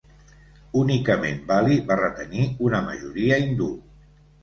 Únicament Bali va retenir una majoria hindú.